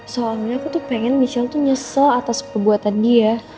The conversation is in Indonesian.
soalnya aku tuh pengen michelle tuh nyesel atas perbuatan dia